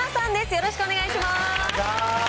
よろしくお願いします。